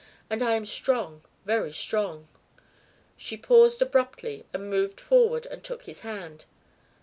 And I am strong, very strong." She paused abruptly and moved forward and took his hand.